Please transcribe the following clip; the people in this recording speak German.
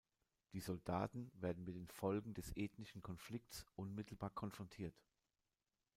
Die Soldaten werden mit den Folgen des ethnischen Konflikts unmittelbar konfrontiert.